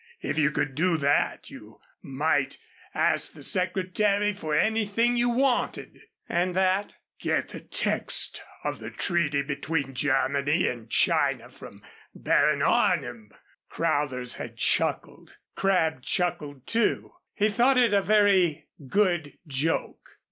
If you could do that, you might ask the Secretary for anything you wanted." "And that " "Get the text of the treaty between Germany and China from Baron Arnim." Crowthers had chuckled. Crabb chuckled, too. He thought it a very good joke.